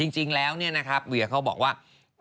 จริงแล้วเนี่ยนะครับเวียเขาบอกว่า